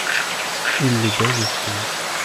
Il le baise au front.